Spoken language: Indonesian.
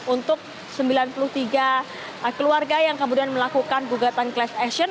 untuk sembilan puluh tiga keluarga yang kemudian melakukan bugatan kelas aksen